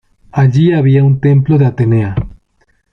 Allí había un templo de Atenea.